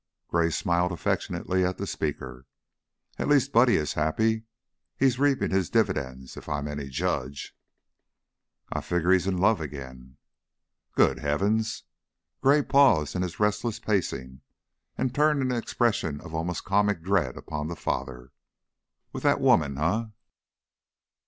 Gray smiled affectionately at the speaker. "At least Buddy is happy. He's reaping his dividends, if I'm any judge." "I figger he's in love again." "Good heavens!" Gray paused in his restless pacing and turned an expression of almost comic dread upon the father. "With that woman, eh?